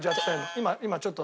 今ちょっと。